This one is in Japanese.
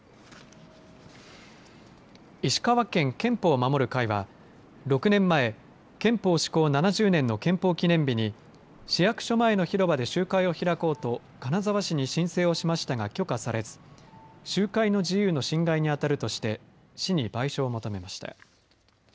石川県憲法を守る会は６年前憲法施行７０年の憲法記念日に市役所前の広場で集会を開こうと金沢市に申請をしましたが許可されず集会の自由の侵害に当たるとして市に賠償を求めました。